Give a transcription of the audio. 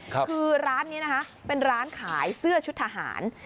คือร้านนี้นะคะเป็นร้านขายเสื้อชุดทหาร